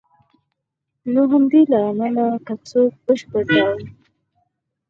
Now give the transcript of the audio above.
نو له همدې امله که څوک په بشپړ ډول